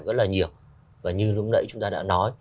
rất là nhiều và như lúc nãy chúng ta đã nói